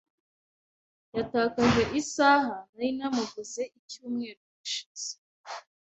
Yatakaje isaha nari namuguze icyumweru gishize.